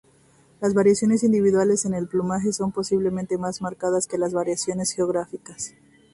Las variaciones individuales en el plumaje son posiblemente más marcadas que las variaciones geográficas.